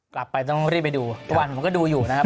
กลับไปต้องรีบไปดูทุกวันผมก็ดูอยู่นะครับ